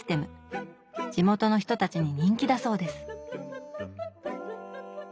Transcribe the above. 地元の人たちに人気だそうです。